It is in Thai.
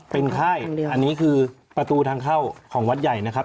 เป็นค่ายอันนี้คือประตูทางเข้าของวัดใหญ่นะครับ